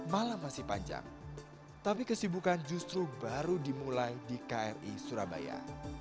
malam masih panjang tapi kesibukan justru baru dimulai di kri surabaya